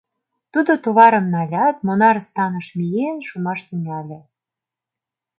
Тудо товарым налят, монар станыш миен, шумаш тӱҥале.